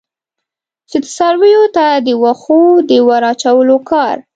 چې څارویو ته د وښو د ور اچولو کار.